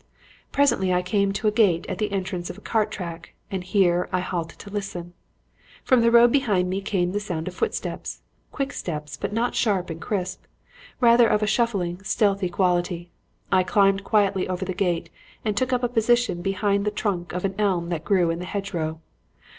"Presently I came to a gate at the entrance of a cart track and here I halted to listen. From the road behind me came the sound of footsteps; quick steps but not sharp and crisp; rather of a shuffling, stealthy quality. I climbed quietly over the gate and took up a position behind the trunk of an elm that grew in the hedgerow.